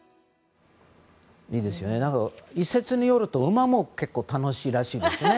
一説によると馬も結構楽しいらしいんですよね。